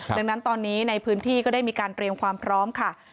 ดังนั้นตอนนี้ในพื้นที่ก็ได้มีการเตรียมความพร้อมค่ะ